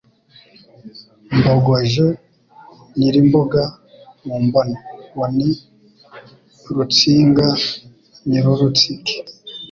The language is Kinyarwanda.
Mbogoje Nyirimbuga mu mbone”Uwo ni Rutsinga, Nyirurutsike,